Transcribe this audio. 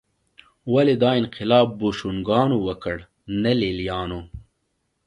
ولې دا انقلاب بوشونګانو وکړ نه لېلیانو